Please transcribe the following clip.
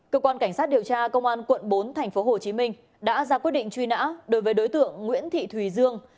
cơ quan cảnh sát điều tra công an quận bốn tp hcm đã ra quyết định truy nã đối với đối tượng nguyễn thị thùy dương